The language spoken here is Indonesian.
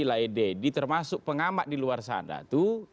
lay dedy termasuk pengamat di luar sana tuh